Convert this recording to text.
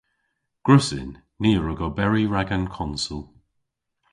Gwrussyn. Ni a wrug oberi rag an konsel.